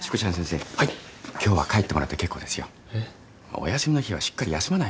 お休みの日はしっかり休まないと。